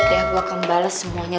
lo liat ya gue akan bales semuanya